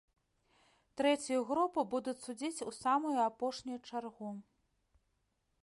Трэцюю групу будуць судзіць у самую апошнюю чаргу.